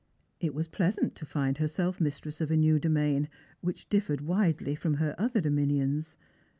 It was pleasant uo nnd herself mistress of a new domain, which differed widely from her other dominions.